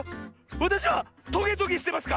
わたしはトゲトゲしてますか？